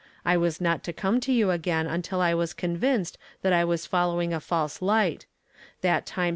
I was not to come to you again until I was convinced that I was following a false light, mat time h?